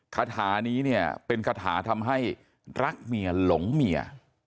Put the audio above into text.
คาถานี้เนี่ยเป็นคาถาทำให้รักเมียหลงเมีย